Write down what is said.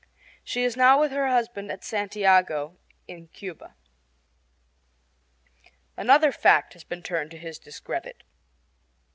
She is now with her husband at Santiago, in Cuba. Another fact has been turned to his discredit.